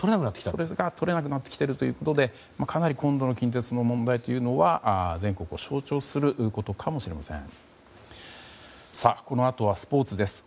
それがとれなくなってきているということで今度の近鉄の問題というのは全国を象徴することかもしれません。